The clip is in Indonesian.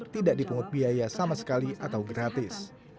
tidak dipungut biaya sama sekali atau gratis